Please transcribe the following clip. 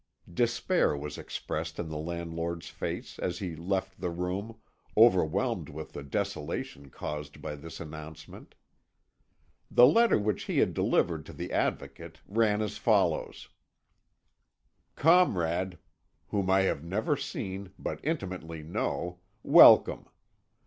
Despair was expressed in the landlord's face as he left the room, overwhelmed with the desolation caused by this announcement. The letter which he had delivered to the Advocate ran as follows: "Comrade, whom I have never seen, but intimately know, Welcome.